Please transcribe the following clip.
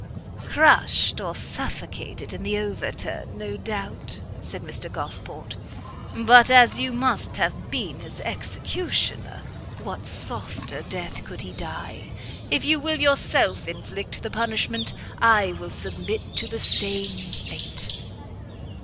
"Crushed or suffocated in the overturn, no doubt," said Mr Gosport; "but as you must have been his executioner, what softer death could he die? If you will yourself inflict the punishment, I will submit to the same fate."